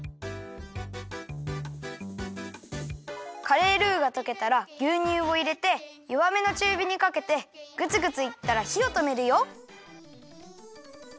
カレールーがとけたらぎゅうにゅうをいれてよわめのちゅうびにかけてグツグツいったらひをとめるよ。